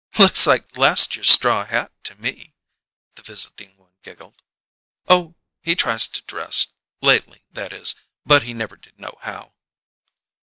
"Looks like last year's straw hat to me," the visiting one giggled. "Oh, he tries to dress lately, that is but he never did know how."